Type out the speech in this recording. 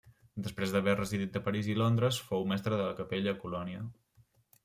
Després d'haver residit a París i Londres, fou mestre de capella a Colònia.